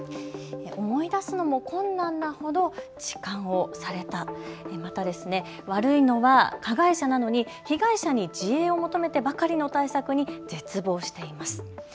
思い出すのも困難なほど痴漢をされた、悪いのは加害者なのに被害者に自衛を求めてばかりの対策に絶望しています。